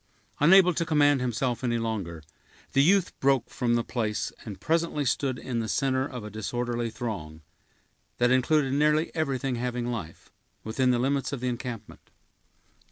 Unable to command himself any longer, the youth broke from the place, and presently stood in the center of a disorderly throng, that included nearly everything having life, within the limits of the encampment.